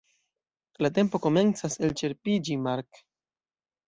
La tempo komencas elĉerpiĝi, Mark!